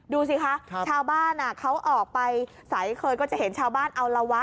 ดูสิคะชาวบ้านเขาออกไปใสเคยก็จะเห็นชาวบ้านเอาละวะ